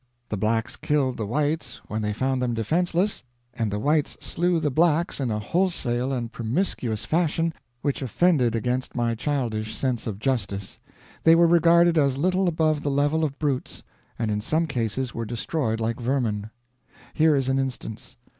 The Blacks killed the Whites when they found them defenseless, and the Whites slew the Blacks in a wholesale and promiscuous fashion which offended against my childish sense of justice. "They were regarded as little above the level of brutes, and in some cases were destroyed like vermin. "Here is an instance.